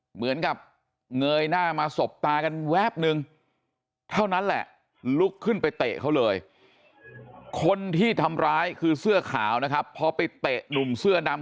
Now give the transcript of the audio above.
เหมือนกับเงยหน้ามาสบตากันแวบนึงเท่านั้นแหละลุกขึ้นไปเตะเขาเลย